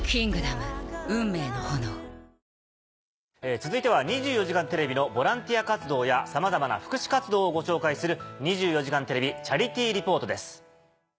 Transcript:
続いては『２４時間テレビ』のボランティア活動やさまざまな福祉活動をご紹介する。